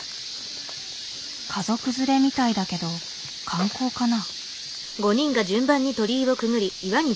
家族連れみたいだけど観光かな？